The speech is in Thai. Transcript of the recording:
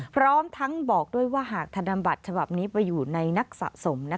พร้อมทั้งบอกด้วยว่าหากธนบัตรฉบับนี้ไปอยู่ในนักสะสม